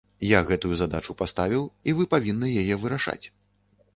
Я гэтую задачу паставіў, і вы павінны яе вырашаць.